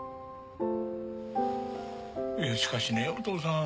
いやしかしねお父さん。